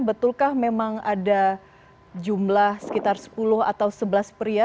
betulkah memang ada jumlah sekitar sepuluh atau sebelas pria